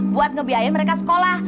buat ngebiayain mereka sekolah